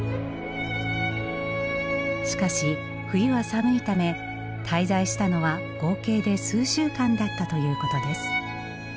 しかし冬は寒いため滞在したのは合計で数週間だったということです。